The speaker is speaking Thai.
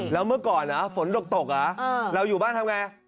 แล้วเมื่อก่อนฝนตกเราอยู่บ้านทำไง